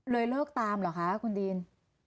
เลิกตามเหรอคะคุณดีน